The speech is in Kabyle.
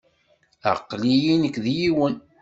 Aql-iyi nekk d yiwen.